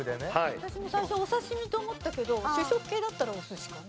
私も最初お刺し身と思ったけど主食系だったらお寿司かな。